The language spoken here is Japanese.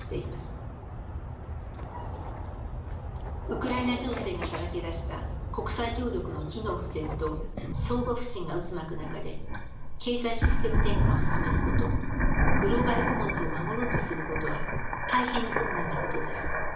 ウクライナ情勢がさらけ出した国際協力の機能不全と相互不信が渦巻く中で経済システム転換を進めることグローバル・コモンズを守ろうとすることは大変に困難なことです。